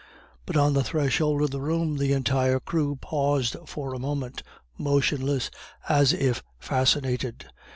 But on the threshold of the room the entire crew paused for a moment, motionless, as if fascinated.